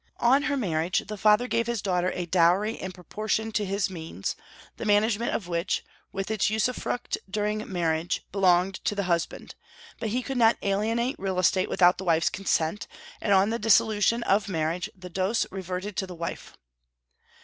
On her marriage the father gave his daughter a dowry in proportion to his means, the management of which, with its usufruct during marriage, belonged to the husband; but he could not alienate real estate without the wife's consent, and on the dissolution of marriage the dos reverted to the wife.